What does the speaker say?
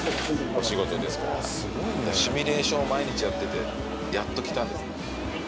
シミュレーションを毎日やっててやっと来た。